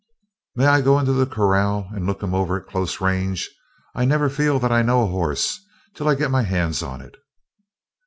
"May I go into the corral and look him over at close range? I never feel that I know a horse till I get my hands on it."